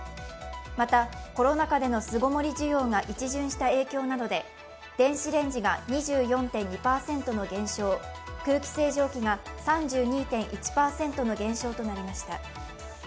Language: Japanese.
また、コロナ禍での巣ごもり需要が一巡した影響などで電子レンジが２４．２％の減少、空気清浄機が３２．１％の減少となりました。